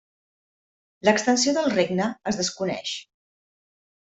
L'extensió del regne es desconeix.